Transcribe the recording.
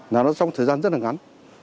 là nó trong thời gian rất là ngắn